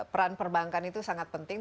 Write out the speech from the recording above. peran perbankan itu sangat penting